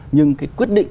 nhưng cái quyết định